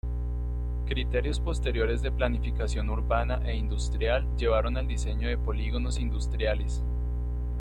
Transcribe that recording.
Criterios posteriores de planificación urbana e industrial llevaron al diseño de polígonos industriales.